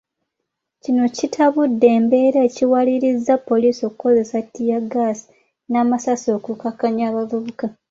Kino kitabudde embeera ekiwalirizza poliisi okukozesa ttiyaggaasi n’amasasi okukakkaanya abavubuka.